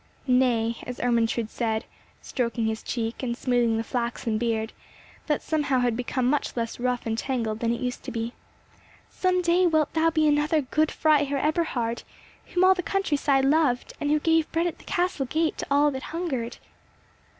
Nay, as Ermentrude said, stroking his cheek, and smoothing the flaxen beard, that somehow had become much less rough and tangled than it used to be, "Some day wilt thou be another Good Freiherr Eberhard, whom all the country side loved, and who gave bread at the castle gate to all that hungered."